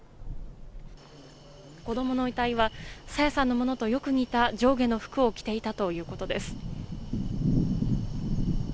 子供の遺体は朝芽さんのものとよく似た上下の服を着ていたということです。